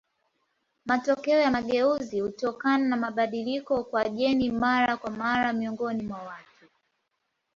Matokeo ya mageuzi hutokana na mabadiliko kwa jeni mara kwa mara miongoni mwa watu.